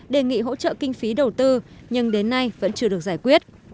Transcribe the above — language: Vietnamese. đề nghị hỗ trợ kinh phí đầu tư nhưng đến nay vẫn chưa được giải quyết